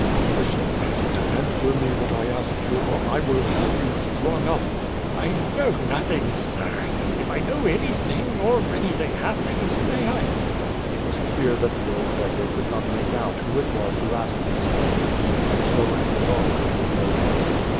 "Listen, peasant, answer me what I ask you, or I will have you strung up." "I know nothing, sir. If I know anything, or anything happens, may I ..." WITH FIRE AND SWOtW. ^05 It was clear that the old beggar could not make out who it was who asked these questions and so had resolved to give no answer.